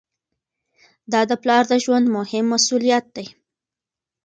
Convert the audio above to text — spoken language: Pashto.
دا د پلار د ژوند مهم مسؤلیت دی.